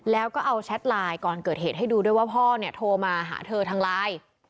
แล้วก็เอาแชทไลน์ก่อนเกิดเหตุให้ดูด้วยว่าพ่อเนี่ยโทรมาหาเธอทางไลน์